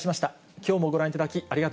きょうもご覧いただき、ありがと